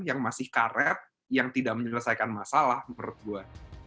yang masih karet yang tidak menyelesaikan masalah menurut gue